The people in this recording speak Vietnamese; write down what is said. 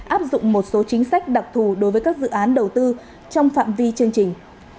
áp dụng một số chính sách đặc thù đối với các dự án đầu tư trong phạm vi chương trình